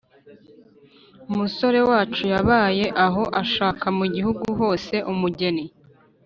umusore wacu yabaye aho ashaka mu gihugu hose umugeni